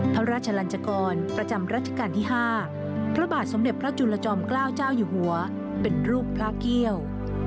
พระราชลันจกรประจำรัชกาลที่๕พระบาทสมเด็จพระจุลจอมเกล้าเจ้าอยู่หัวเป็นรูปพระเกี่ยว